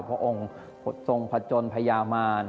เพราะองค์พระทรงพชนภญามาร